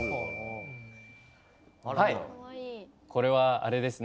はいこれはあれですね。